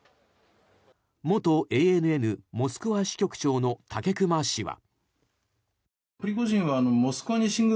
元ＡＮＮモスクワ支局長の武隈氏は。